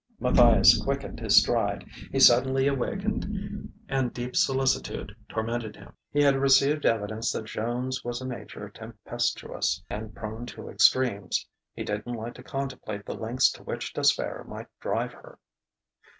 Matthias quickened his stride. His suddenly awakened and deep solicitude tormented him. He had received evidence that Joan's was a nature tempestuous and prone to extremes: he didn't like to contemplate the lengths to which despair might drive her.